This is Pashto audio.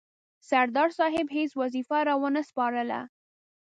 سردار صاحب هیڅ وظیفه را ونه سپارله.